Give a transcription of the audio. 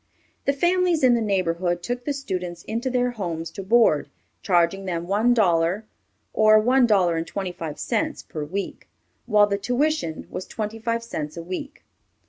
The families in the neighborhood took the students into their homes to board, charging them one dollar or one dollar and twenty five cents per week, while the tuition was twenty five cents a week.